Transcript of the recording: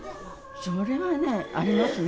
それはね、ありますね。